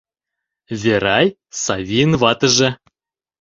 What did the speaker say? Верай — Савийын ватыже.